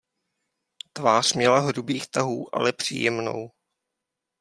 Tvář měla hrubých tahů, ale příjemnou.